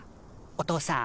お父さん。